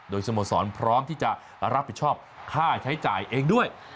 โดยสโมสรพร้อมที่จะรับผิดชอบค่าใช้จ่ายเองด้วย